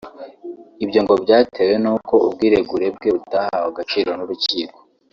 Ibyo ngo byatewe n’uko ubwiregure bwe butahawe agaciro n’urukiko